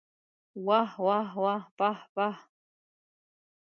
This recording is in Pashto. واه واه واه پاه پاه!